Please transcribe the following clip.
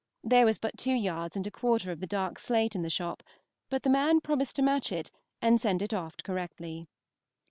There was but two yards and a quarter of the dark slate in the shop, but the man promised to match it and send it off correctly.